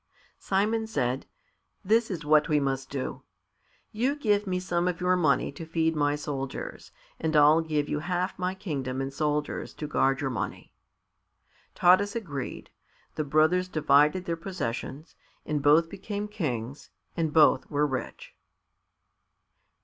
Simon said, "This is what we must do. You give me some of your money to feed my soldiers, and I'll give you half my kingdom and soldiers to guard your money." Taras agreed. The brothers divided their possessions, and both became kings and both were rich.